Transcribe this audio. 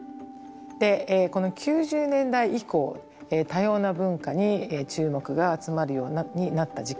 この９０年代以降多様な文化に注目が集まるようになった時期。